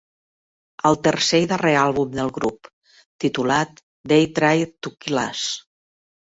El tercer i darrer àlbum del grup, titulat They Tried to Kill Us.